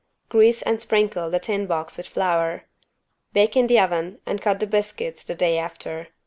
Grease and sprinkle the tin box with flour. Bake in the oven and cut the biscuits the day after.